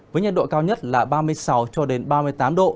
với nhiệt độ cao nhất là ba mươi sáu cho đến ba mươi tám độ